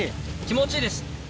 気持ちいいです。